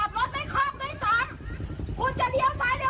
ไม่เคยเพื่อนกับคุณเลยนะ